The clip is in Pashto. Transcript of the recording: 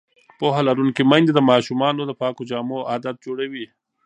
پوهه لرونکې میندې د ماشومانو د پاکو جامو عادت جوړوي.